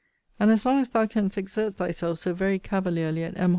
And as long as thou canst exert thyself so very cavalierly at M.